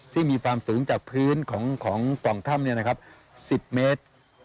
ซึ่งมีความสูงจากพื้นของปล่องถ้ำ๑๐เมตร